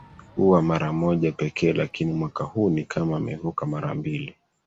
huwa mara moja pekee lakini mwaka huu ni kama wamevuka mara mbili